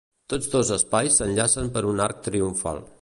Tots dos espais s'enllacen per un arc triomfal.